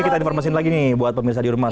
ini kita informasiin lagi nih buat pemirsa di rumah